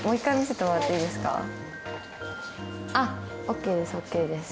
あっＯＫですＯＫです。